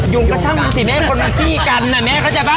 ยุงก็ช่างมือสิแม่คนมาซี่กันน่ะแม่เข้าใจปะ